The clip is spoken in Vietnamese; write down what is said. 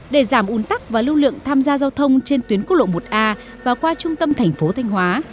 để giảm un tắc và lưu lượng tham gia giao thông trên tuyến quốc lộ một a và qua trung tâm thành phố thanh hóa